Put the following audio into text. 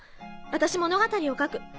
私物語を書く。